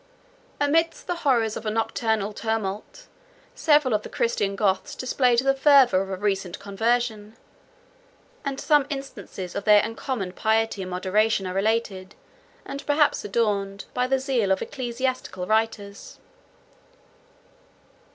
Amidst the horrors of a nocturnal tumult, several of the Christian Goths displayed the fervor of a recent conversion; and some instances of their uncommon piety and moderation are related, and perhaps adorned, by the zeal of ecclesiastical writers.